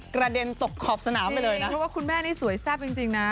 กระเด็นตกขอบสนามไปเลยนะเพราะว่าคุณแม่นี่สวยแซ่บจริงนะ